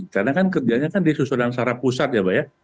karena kan kerjanya kan disusunan secara pusat ya mbak ya